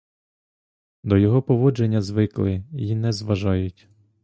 До його поводження звикли й не зважають.